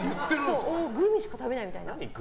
グミしか食べないみたいな。